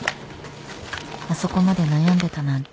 あそこまで悩んでたなんて